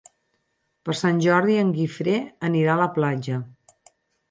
Per Sant Jordi en Guifré anirà a la platja.